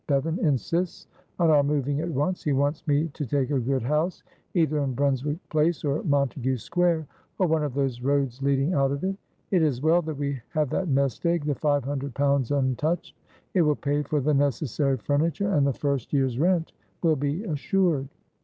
Bevan insists on our moving at once; he wants me to take a good house, either in Brunswick Place or Montague Square, or one of those roads leading out of it; it is well that we have that nest egg, the five hundred pounds untouched, it will pay for the necessary furniture, and the first year's rent will be assured."